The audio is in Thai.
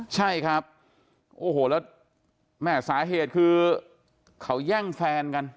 ใช่ครับโอ้โหแล้วแม่สาเหตุคือเขาแย่งแฟนกัน